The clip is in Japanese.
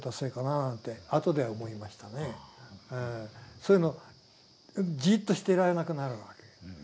そういうのじっとしていられなくなるわけ。